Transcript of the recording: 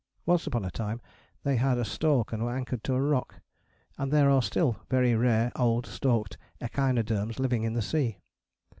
Once upon a time they had a stalk and were anchored to a rock, and there are still very rare old stalked echinoderms living in the sea.